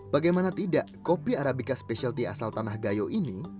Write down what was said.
bagaimana tidak kopi arabica specialty asal tanah gayo ini